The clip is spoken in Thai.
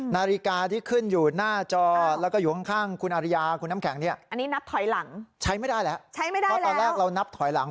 พอตอนแรกเรานับเน็จถอยหลัง